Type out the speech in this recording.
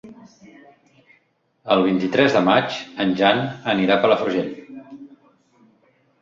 El vint-i-tres de maig en Jan anirà a Palafrugell.